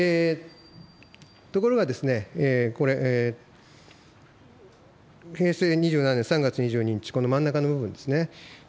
ところがですね、これ、平成２７年３月２２日、この真ん中の部分ですね。